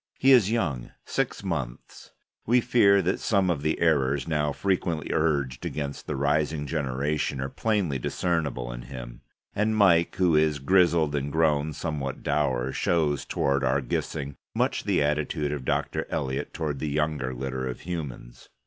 He is young: six months; we fear that some of the errors now frequently urged against the rising generation are plainly discernible in him. And Mike, who is grizzled and grown somewhat dour, shows toward our Gissing much the attitude of Dr. Eliot toward the younger litter of humans.